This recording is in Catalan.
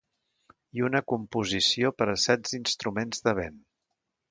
I una composició per a setze instruments de vent.